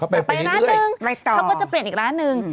แต่ไปร้านนึงเขาก็จะเปลี่ยนอีกร้านหนึ่ง